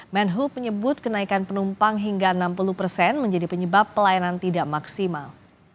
menhub menyebut kenaikan penumpang hingga enam puluh persen menjadi penyebab pelayanan tidak maksimal